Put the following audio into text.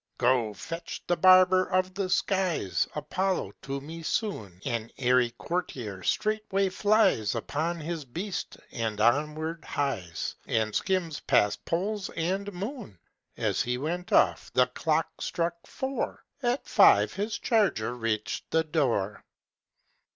"Go! fetch the barber of the skies, Apollo, to me soon!" An airy courier straightway flies Upon his beast, and onward hies, And skims past poles and moon; As he went off, the clock struck four, At five his charger reached the door.